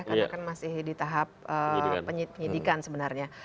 karena kan masih di tahap penyidikan sebenarnya